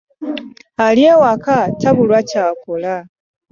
Ali ewaka tabulwa kyakola .